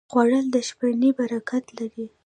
خوړل د شپهنۍ برکت لري